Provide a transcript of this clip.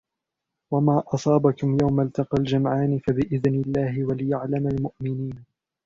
وَمَا أَصَابَكُمْ يَوْمَ الْتَقَى الْجَمْعَانِ فَبِإِذْنِ اللَّهِ وَلِيَعْلَمَ الْمُؤْمِنِينَ